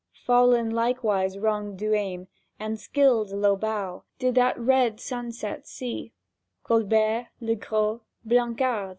Fallen likewise wronged Duhesme, and skilled Lobau Did that red sunset see; Colbert, Legros, Blancard!